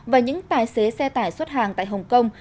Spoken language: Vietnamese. và những tài xế xe tải xuất hàng tại hồng kông